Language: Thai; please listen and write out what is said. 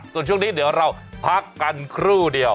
ส่วนช่วงนี้เดี๋ยวเราพักกันครู่เดียว